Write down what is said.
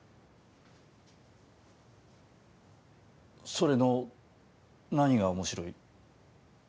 それの何が面白い？